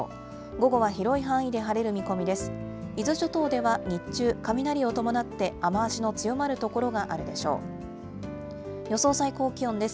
午後は広い範囲で晴れる見込みです。